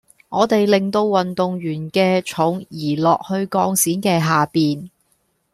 我哋令到運動員嘅重移落去鋼線嘅下面